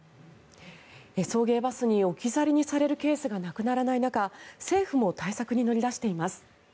送迎バスに置き去りにされるケースがなくならない中政府も対策に乗り出しています。